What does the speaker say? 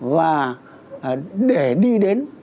và để đi đến